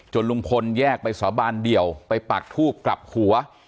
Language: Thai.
ลุงพลแยกไปสาบานเดี่ยวไปปากทูบกลับหัว